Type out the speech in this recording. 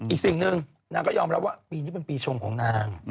อีกสิ่งหนึ่งนางก็ยอมรับว่าปีนี้เป็นปีชงของนาง